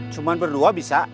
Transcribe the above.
cuma berdua bisa